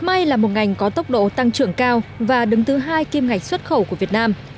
dệt may là một ngành có tốc độ tăng trưởng cao và đứng thứ hai kênh ngành xuất khẩu của việt nam